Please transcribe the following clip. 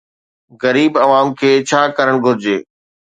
غريب عوام کي ڇا ڪرڻ گهرجي؟